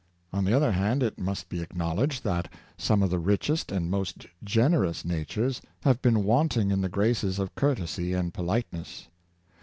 On the other hand, it must be ac knowledged that some of the richest and most gener ous natures have been wanting in the graces of cour tesy and politeness.